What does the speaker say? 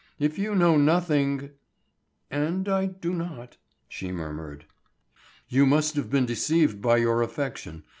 If you know nothing—" "And I do not," she murmured. "You must have been deceived by your affection.